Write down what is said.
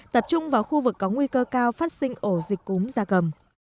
tập trung vào khu vực có nguy cơ cao phát sinh ổ dịch cúm da cầm